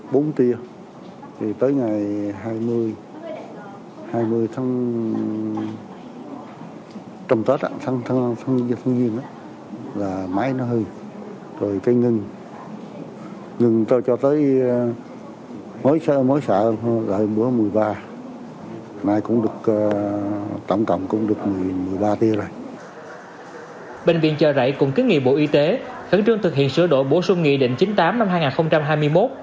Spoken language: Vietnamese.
bệnh viện chợ rẫy cũng kết nghị bộ y tế khẩn trương thực hiện sửa đổi bổ sung nghị định chín mươi tám năm hai nghìn hai mươi một